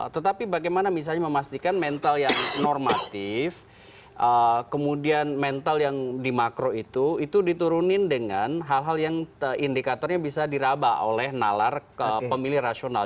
tetapi bagaimana misalnya memastikan mental yang normatif kemudian mental yang di makro itu itu diturunin dengan hal hal yang indikatornya bisa diraba oleh nalar pemilih rasional